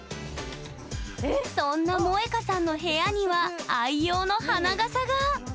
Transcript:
そんな萌花さんの部屋には愛用の花笠が！